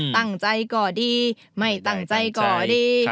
ตั้งใจก่อดีไม่ตั้งใจก่อดี